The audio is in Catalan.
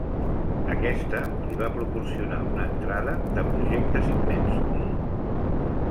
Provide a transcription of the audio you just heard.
Aquesta li va proporcionar una entrada de projectes immensos.